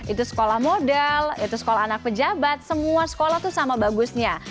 itu sekolah modal itu sekolah anak pejabat semua sekolah itu sama bagusnya